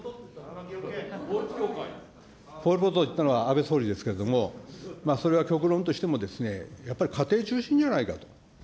そういうことを言ったのは安倍総理ですけれども、それは極論としても、やっぱり家庭中心じゃないかと。